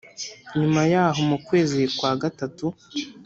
nyuma yaho mu kwezi kwa gatatu